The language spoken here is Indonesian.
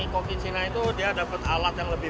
covid china itu dia dapat alat yang lebih